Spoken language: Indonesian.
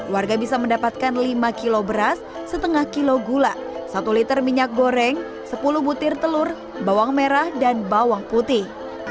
warga bisa mendapatkan lima kilo beras setengah kilo gula satu liter minyak goreng sepuluh butir telur bawang merah dan bawang putih